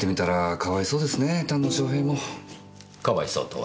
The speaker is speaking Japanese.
「かわいそう」とは？